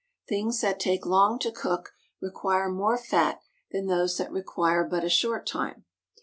Things that take long to cook require more fat than those that require but a short time.